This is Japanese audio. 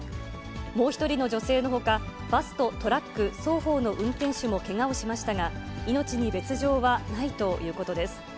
もう１人の女性のほか、バスとトラック双方の運転手もけがをしましたが、命に別状はないということです。